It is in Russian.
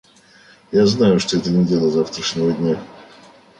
Я знаю, что это не дело завтрашнего дня.